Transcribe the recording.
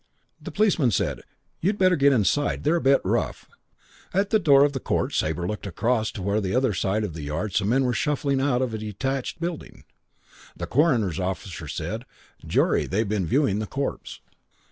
The policeman said, "You'd better get inside. They're a bit rough." At the door of the court Sabre looked across to where on the other side of the yard some men were shuffling out of a detached building. The coroner's officer said, "Jury. They've been viewing the corpse."